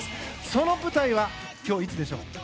その舞台は今日、いつでしょう。